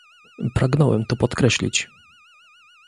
Pragnąłem to podkreślić